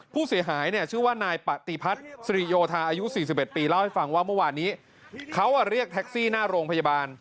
พี่เล่าให้ฟังว่าเมื่อวานี้เขาเรียกแท็กซี่หน้าโรงพยาบาล